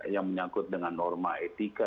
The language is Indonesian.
yang menyangkut dengan norma etika